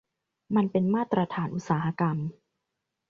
มันเป็นมาตรฐานอุตสาหกรรม